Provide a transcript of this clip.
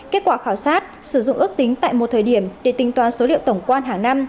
kết quả khảo sát sử dụng ước tính tại một thời điểm để tính toán số liệu tổng quan hàng năm